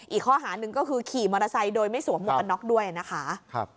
อีกข้อหาหนึ่งก็คือขี่มอเตอร์ไซค์โดยไม่สวมหมวกกันน็อกด้วยนะคะ